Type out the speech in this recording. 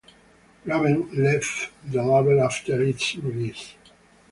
Raven left the label after its release.